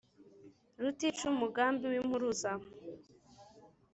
rutica umugambi w' impuruza